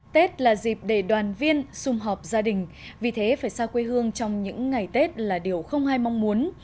tết là dịp để đoàn viên xung họp gia đình vì thế phải xa quê hương trong những ngày tết là điều không ai mong muốn